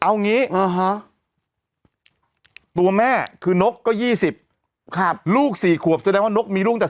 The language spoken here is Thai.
เอางี้ตัวแม่คือนกก็๒๐ลูก๔ขวบแสดงว่านกมีลูกแต่